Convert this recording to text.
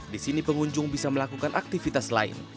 di sini pengunjung bisa melakukan aktivitas lain